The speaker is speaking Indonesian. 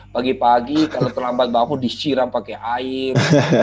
pagi pagi kalau terlambat bangun disiram pakai air